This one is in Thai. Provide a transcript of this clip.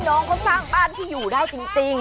น้องเขาสร้างบ้านที่อยู่ได้จริง